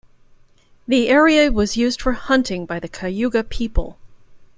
The area was used for hunting by the Cayuga people.